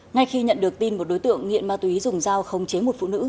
ngay khi nhận được tin một đối tượng nghiện ma túy dùng dao không chế một phụ nữ